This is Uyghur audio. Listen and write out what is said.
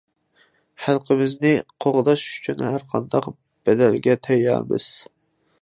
خەلقىمىزنى قوغداش ئۈچۈن ھەر قانداق بەدەلگە تەييارمىز.